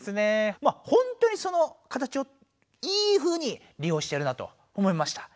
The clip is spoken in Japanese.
まあほんとにその形をいいふうに利用してるなと思いました。